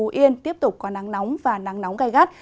phú yên tiếp tục có nắng nóng và nắng nóng gai gắt